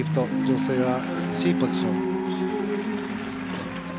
女性が美しいポジション。